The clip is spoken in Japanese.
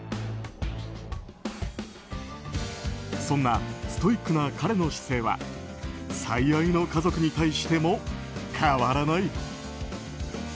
そんなストイックな彼の姿勢は最愛の家族に対しても変わらない。